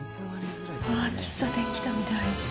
ああ、喫茶店来たみたい。